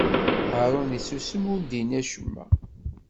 Haṛun issusem, ur d-inni acemma.